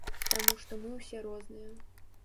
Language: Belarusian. Таму што мы ўсе розныя.